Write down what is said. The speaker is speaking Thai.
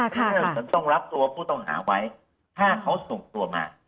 พนักงานสอบสวนต้องรับตัวผู้ต้องหาไว้ถ้าเขาส่งตัวมา